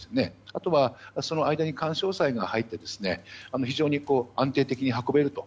あとはその間に緩衝材が入って非常に安定的に運べると。